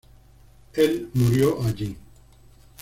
Él murió allí.